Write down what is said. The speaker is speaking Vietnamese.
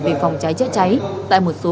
về phòng cháy chữa cháy tại một số